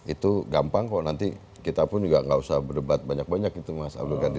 itu gampang kok nanti kita pun juga nggak usah berdebat banyak banyak gitu mas abdul ghani